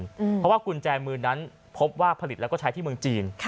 เพราะว่ากุญแจมือนั้นพบว่าผลิตแล้วก็ใช้ที่เมืองจีน